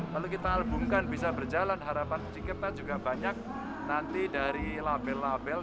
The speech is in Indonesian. lalu kita albumkan bisa berjalan harapan sedikitnya juga banyak nanti dari label label